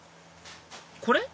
これ？